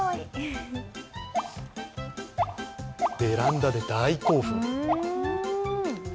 ベランダで大興奮！